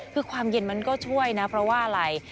คือความเย็นมันก็ช่วยนะเพราะว่าอะไร